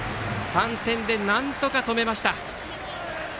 ３点でなんとか止めました。